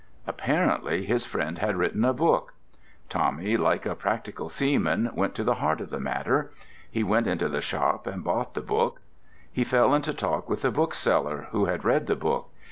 Apparently his friend had written a book. Tommy, like a practical seaman, went to the heart of the matter. He went into the shop and bought the book. He fell into talk with the bookseller, who had read the book.